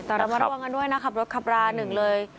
แต่ระมัดระวังกันด้วยนะขับรถขับราหนึ่งเลย